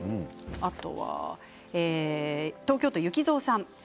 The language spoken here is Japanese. あとは東京都の方からです。